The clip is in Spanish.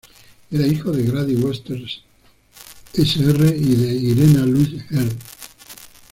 Era hijo de Grady Webster Sr. y de Irena Lois Heard.